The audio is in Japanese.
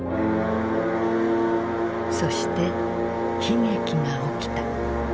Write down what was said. そして悲劇が起きた。